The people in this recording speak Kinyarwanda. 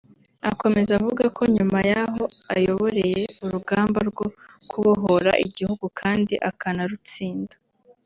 Akomeza avuga ko nyuma y’aho ayoboreye urugamba rwo kubohora igihugu kandi akanarutsinda